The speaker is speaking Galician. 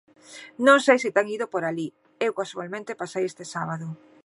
Non sei se ten ido por alí, eu casualmente pasei este sábado.